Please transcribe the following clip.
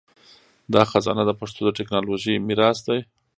دا خزانه د پښتو د ټکنالوژۍ میراث دی.